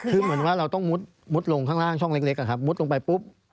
คือเหมือนว่าเราต้องมุดลงข้างล่างช่องเล็กมุดลงไปปุ๊บ